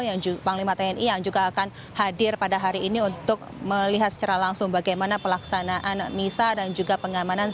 yang juga akan hadir pada hari ini untuk melihat secara langsung bagaimana pelaksanaan misah dan juga pengamanan